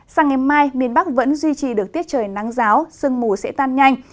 sáng ngày mai miền bắc vẫn duy trì được tiết trời nắng ráo sương mù sẽ tan nhanh